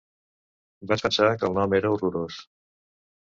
Vaig pensar que el nom era horrorós.